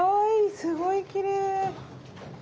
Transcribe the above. すごいきれい。